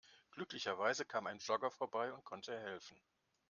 Glücklicherweise kam ein Jogger vorbei und konnte helfen.